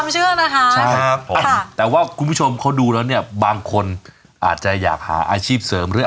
ใช่ครับแต่ว่าคุณผู้ชมเขาดูแล้วเนี้ยบางคนอาจจะอยากหาอาชีพเสริมหรือ